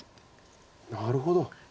なるほど。